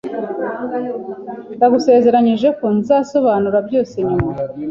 Ndagusezeranije ko nzasobanura byose nyuma